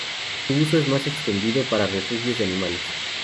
Su uso es más extendido para refugios de animales.